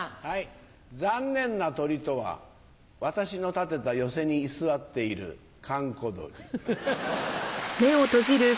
残念な鳥とは私の建てた寄席に居座っている閑古鳥。